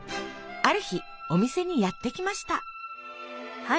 ある日お店にやって来ました。